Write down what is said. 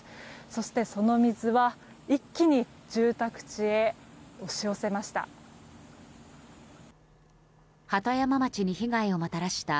そして、その水は一気に住宅地へ押し寄せました。